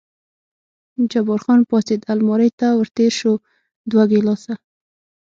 جبار خان پاڅېد، المارۍ ته ور تېر شو، دوه ګیلاسه.